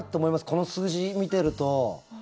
この数字を見てると。